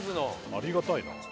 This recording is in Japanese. ありがたいな。